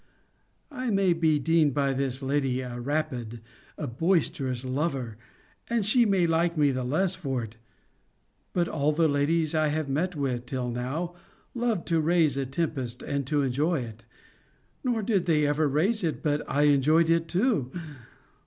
I may be deemed by this lady a rapid, a boisterous lover and she may like me the less for it: but all the ladies I have met with, till now, loved to raise a tempest, and to enjoy it: nor did they ever raise it, but I enjoyed it too!